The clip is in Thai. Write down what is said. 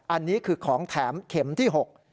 อันนี้คือของแถมเข็มที่๖